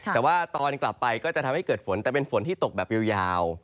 แต่ว่าตอนกลับไปก็จะทำให้เกิดฝนแต่เป็นฝนที่ตกแบบยาว